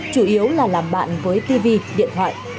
chủ yếu là làm bạn với tv điện thoại